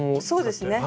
そうですね。